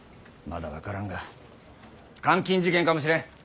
まだ分からんが監禁事件かもしれん。